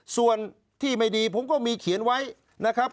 ส่วนที่ไม่ดีผมก็มีเขียนไว้นะครับ